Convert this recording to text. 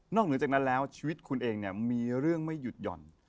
เหนือจากนั้นแล้วชีวิตคุณเองเนี่ยมีเรื่องไม่หยุดหย่อน